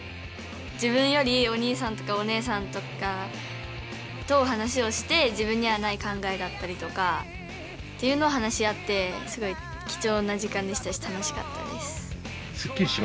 自分よりおにいさんとかおねえさんとかと話をして自分にはない考えだったりとかっていうのを話し合ってすごい貴重な時間でしたし楽しかったです。